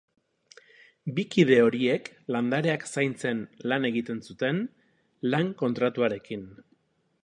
Bi kide horiek landareak zaintzen lan egiten zuten, lan-kontratuarekin.